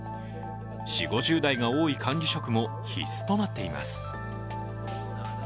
４０５０代が多い管理職も必須となっています。